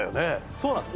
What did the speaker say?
そうなんです